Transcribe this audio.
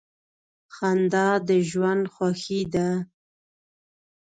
• خندا د ژوند خوښي ده.